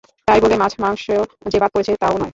তাই বলে মাছ মাংস যে বাদ পড়েছে, তা ও নয়।